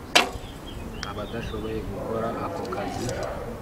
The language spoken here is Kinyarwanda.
abadashoboye gukora ako kazi